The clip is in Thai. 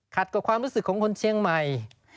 กับความรู้สึกของคนเชียงใหม่